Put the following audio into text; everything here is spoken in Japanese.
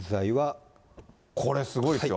これすごいですよ。